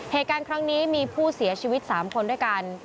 เหตุการณ์ครั้งนี้มีผู้เสียชีวิต๓คนด้วยกัน